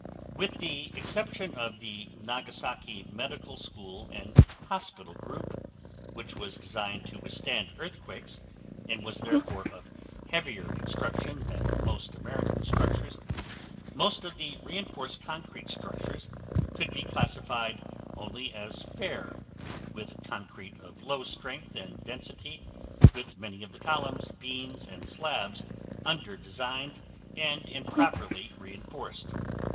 With the exception of the Nagasaki Medical School and Hospital group, which was designed to withstand earthquakes and was therefore of heavier construction than most American structures, most of the reinforced concrete structures could be classified only as fair, with concrete of low strength and density, with many of the columns, beams, and slabs underdesigned and improperly reinforced.